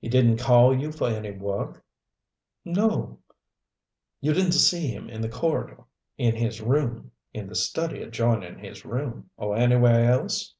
"He didn't call you for any work?" "No." "You didn't see him in the corridor in his room in the study adjoining his room or anywhere else?"